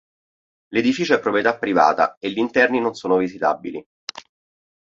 L'edificio è proprietà privata e gli interni non sono visitabili.